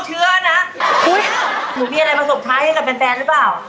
เชื่อไงอ่ะ